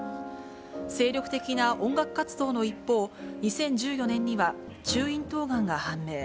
精力的な音楽活動の一方、２０１４年には中咽頭がんが判明。